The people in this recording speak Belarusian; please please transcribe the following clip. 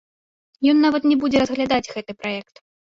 Ён нават не будзе разглядаць гэты праект.